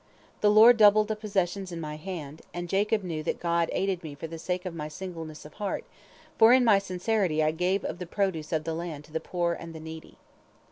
The Lord doubled the possessions in my hand, and Jacob knew that God aided me for the sake of my singleness of heart, for in my sincerity I gave of the produce of the land to the poor and the needy.